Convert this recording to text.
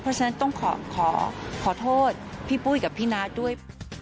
เพราะฉะนั้นต้องขอโทษพี่ปุ้ยกับพี่น้าด้วย